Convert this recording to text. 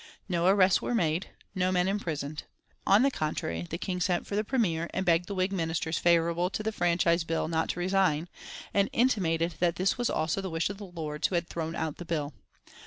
No arrests were made, no men imprisoned. On the contrary the King sent for the Premier, and begged the Whig Ministers favourable to the franchise bill not to resign, and intimated that this was also the wish of the Lords who had thrown out the bill.